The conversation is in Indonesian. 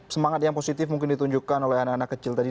semangat yang positif mungkin ditunjukkan oleh anak anak kecil tadi